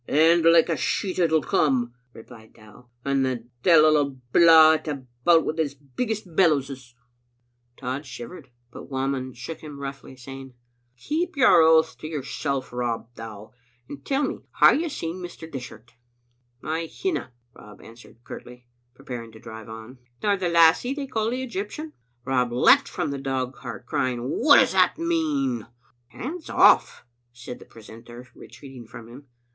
"And like a sheet it'll come," replied Dow, "and the deini blaw it about wi' his biggest bellowses." Digitized by VjOOQ IC 366 Vbe little Ainteter. Tosh shivered, but Whamond shook him roughly, saying —" Keep your oaths to yoursel', Rob Dow, and tell me, hae you seen Mr. Dishart?" "I hinna,'' Rob answered curtly, preparing to drive on. " Nor the lassie they call the Egyptian?" Rob leaped from the dogcart, crying, "What does that mean?" '' Hands off," said the precentor, retreating from him.